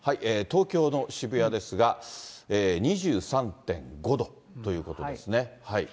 東京の渋谷ですが、２３．５度ということですね。